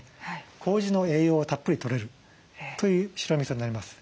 こうじの栄養はたっぷりとれるという白みそになります。